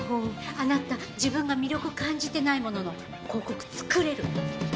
あなた自分が魅力を感じてないものの広告作れる？